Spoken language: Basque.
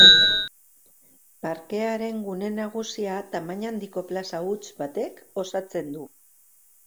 Parkearen gune nagusia tamaina handiko plaza huts batek osatzen du.